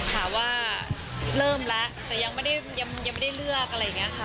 เพิ่งจะบอกพี่หูไฟค่ะว่าเริ่มแล้วแต่ยังไม่ได้เลือกอะไรอย่างนี้ค่ะ